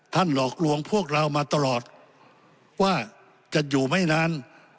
หลอกลวงพวกเรามาตลอดว่าจะอยู่ไม่นาน